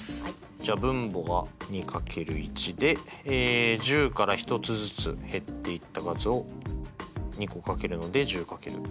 じゃあ分母が２×１で１０から１つずつ減っていった数を２個掛けるので１０×９。